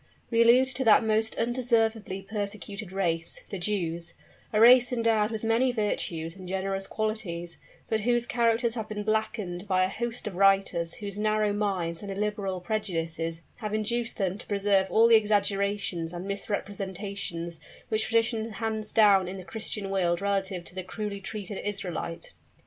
We allude to that most undeservedly persecuted race, the Jews a race endowed with many virtues and generous qualities, but whose characters have been blackened by a host of writers whose narrow minds and illiberal prejudices have induced them to preserve all the exaggerations and misrepresentations which tradition hands down in the Christian world relative to the cruelly treated Israelite.